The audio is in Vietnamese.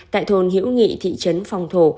tại thôn hiễu nghị thị trấn phong thổ